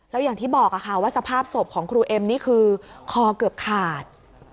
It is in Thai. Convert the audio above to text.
แล้วอย่างที่บอกค่ะว่าสภาพศพของครูเอ็มนี่คือคอเกือบขาด